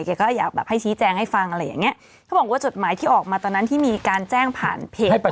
อยากแบบให้ชี้แจงให้ฟังอะไรอย่างเงี้ยเขาบอกว่าจดหมายที่ออกมาตอนนั้นที่มีการแจ้งผ่านเพจ